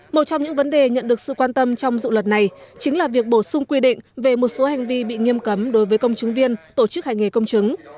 một trong những vấn đề nhận được sự quan tâm trong dự luật này chính là việc bổ sung quy định về một số hành vi bị nghiêm cấm đối với công chứng viên tổ chức hành nghề công chứng